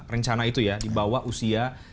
rencana itu ya dibawa usia